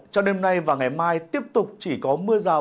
trong đêm nay và ngày mai tiếp tục chỉ có mưa rào